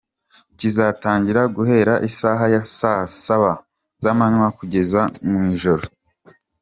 Kizatangira guhera isaha ya saa saba z’amanywa kugeza mu ijoro.